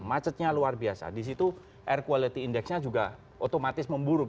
macetnya luar biasa di situ air quality indexnya juga otomatis memburuk